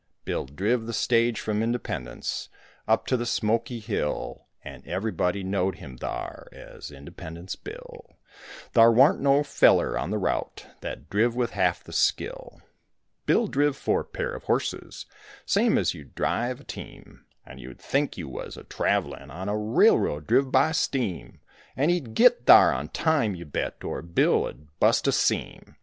Bill driv the stage from Independence Up to the Smokey Hill; And everybody knowed him thar As Independence Bill, Thar warn't no feller on the route That driv with half the skill. Bill driv four pair of horses, Same as you'd drive a team, And you'd think you was a travelin' On a railroad driv by steam; And he'd git thar on time, you bet, Or Bill 'u'd bust a seam.